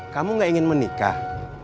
kamu gak ingin menikah